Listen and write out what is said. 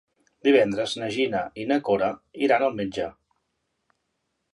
Divendres na Gina i na Cora iran al metge.